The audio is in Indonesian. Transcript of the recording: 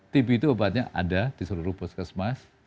tb itu obatnya ada di seluruh puskesmas